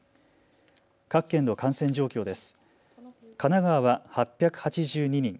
各県の感染状況です。